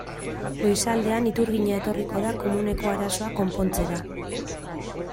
Goizaldean iturgina etorriko da komuneko arazoa konpontzera.